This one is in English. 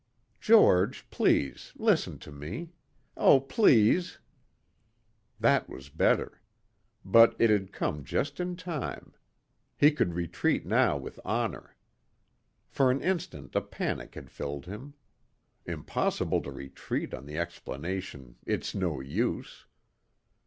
"George, please, listen to me. Oh please...." That was better. But it had come just in time. He could retreat now with honor. For an instant a panic had filled him. Impossible to retreat on the explanation "it's no use."